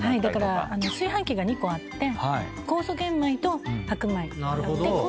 だから炊飯器が２個あって酵素玄米と白米あって。